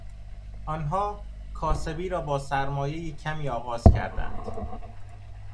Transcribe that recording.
آنها کاسبی را با سرمایهی کمی آغاز کردند.